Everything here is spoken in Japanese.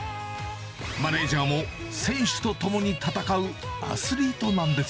マネージャーも選手とともに戦うアスリートなんです。